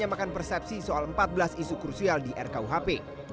kampung kampung adalah satu dari empat belas isu krusial di rrkuhp